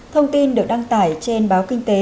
thông tin được đăng tải trên báo kinh tế